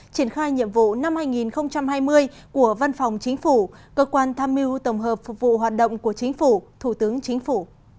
triển khai nhiệm vụ năm hai nghìn hai mươi của văn phòng chính phủ cơ quan tham mưu tổng hợp phục vụ hoạt động của chính phủ thủ tướng chính phủ